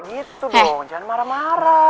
gitu dong jangan marah marah